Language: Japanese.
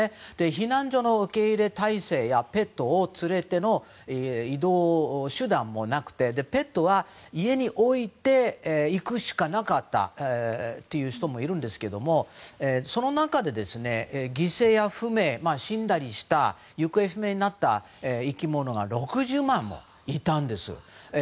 避難所の受け入れ体制やペットを連れての移動手段もなくペットは家に置いていくしかなかったという人もいるんですけどもその中で犠牲や不明、死んだりした行方不明になった生き物が６０万もいたんです。